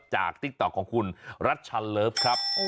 ติ๊กต๊อกของคุณรัชันเลิฟครับ